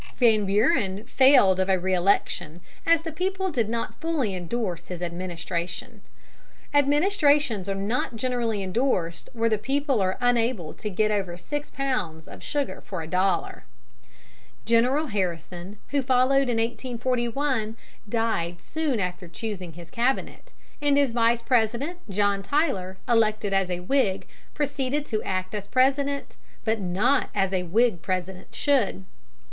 Van Buren failed of a re election, as the people did not fully endorse his administration. Administrations are not generally endorsed where the people are unable to get over six pounds of sugar for a dollar. General Harrison, who followed in 1841, died soon after choosing his Cabinet, and his Vice President, John Tyler, elected as a Whig, proceeded to act as President, but not as a Whig President should.